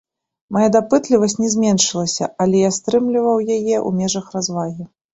Мая дапытлівасць не зменшылася, але я стрымліваў яе ў межах развагі.